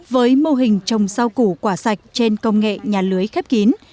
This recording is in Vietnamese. với mô hình trồng rau củ quả sạch trên công nghệ nhà lưới khép kín